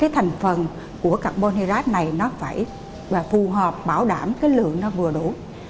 thành phần của carbon hydrate này nó phải phù hợp bảo đảm lượng vừa đủ